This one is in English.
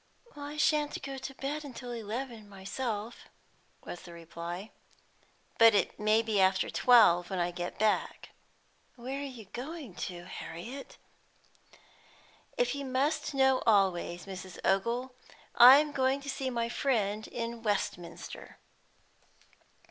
"I sha'n't go to bed till eleven myself," was the reply. "But it may be after twelve when I get back." "Where are you going to, Harriet?" "If you must know always, Mrs. Ogle, I'm going to see my friend in Westminster."